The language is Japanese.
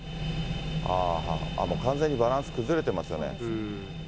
もう完全にバランス崩れてますよね。